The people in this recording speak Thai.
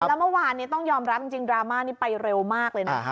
แล้วเมื่อวานนี้ต้องยอมรับจริงดราม่านี้ไปเร็วมากเลยนะคะ